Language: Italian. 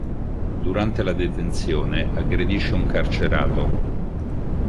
Durante la detenzione, aggredisce un carcerato.